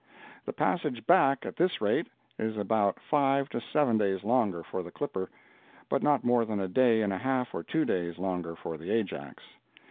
The passage back, at this rate, is about five to seven days longer for the clipper, but not more than a day and a half or two days longer for the Ajax.